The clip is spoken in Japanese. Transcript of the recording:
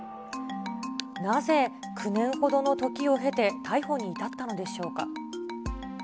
なぜ９年ほどの時を経て逮捕に至ったのでしょうか。